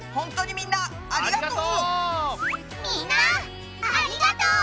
みんなありがとう！